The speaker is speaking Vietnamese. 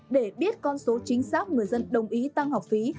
để biết con số chính xác người dân đồng ý tăng học phí